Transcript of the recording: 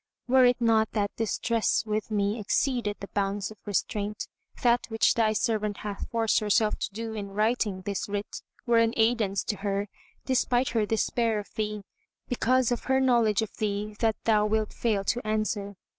Were it not that distress with me exceedeth the bounds of restraint, that which thy servant hath forced herself to do in writing this writ were an aidance to her, despite her despair of thee, because of her knowledge of thee that thou wilt fail to answer.